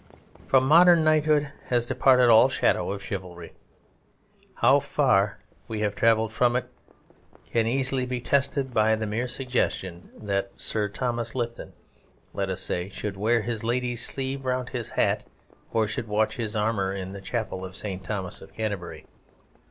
From modern knighthood has departed all shadow of chivalry; how far we have travelled from it can easily be tested by the mere suggestion that Sir Thomas Lipton, let us say, should wear his lady's sleeve round his hat or should watch his armour in the Chapel of St. Thomas of Canterbury.